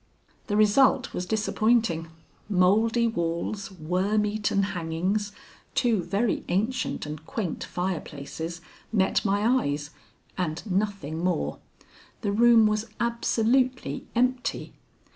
The result was disappointing. Mouldy walls, worm eaten hangings, two very ancient and quaint fireplaces, met my eyes, and nothing more. The room was absolutely empty.